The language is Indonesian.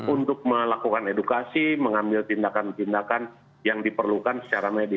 untuk melakukan edukasi mengambil tindakan tindakan yang diperlukan secara medis